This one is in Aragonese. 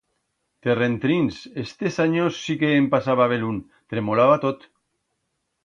Terrentrins, estes anyos sí que en pasaba belún, tremolaba tot.